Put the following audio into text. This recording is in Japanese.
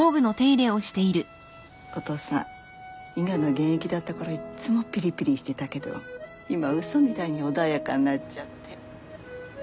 お父さん伊賀の現役だったころいっつもぴりぴりしてたけど今嘘みたいに穏やかになっちゃって。